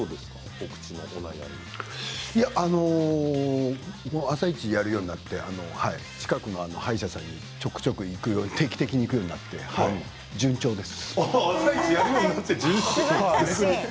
僕は「あさイチ」をやるようになって近くの歯医者さんにちょくちょく行くように定期的に行くようになって順調です。